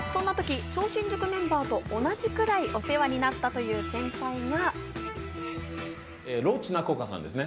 そんなとき、超新塾メンバーと同じくらいお世話になったという先輩が。